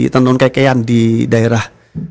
tenun kekean di daerah